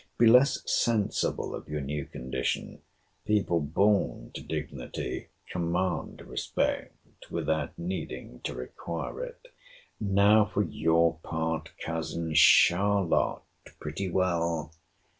Be less sensible of your new condition. People born to dignity command respect without needing to require it. Now for your part, Cousin Charlotte!— Pretty well.